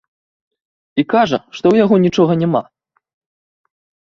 І кажа, што ў яго нічога няма.